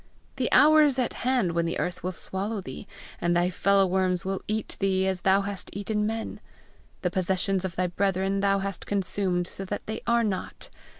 The hour is at hand when the earth will swallow thee, and thy fellow worms will eat thee, as thou hast eaten men. The possessions of thy brethren thou hast consumed, so that they are not!